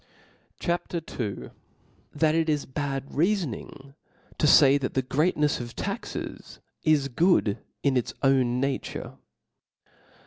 CHAP. II. T!hat it is bad Reafoning to fay that the Great nefs of Taxes is good in its own Nature.